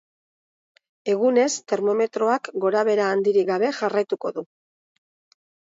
Egunez termometroak gorabehera handirik gabe jarraituko du.